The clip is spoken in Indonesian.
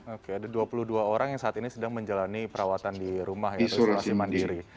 oke ada dua puluh dua orang yang saat ini sedang menjalani perawatan di rumah ya atau isolasi mandiri